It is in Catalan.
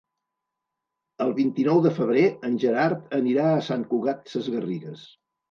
El vint-i-nou de febrer en Gerard anirà a Sant Cugat Sesgarrigues.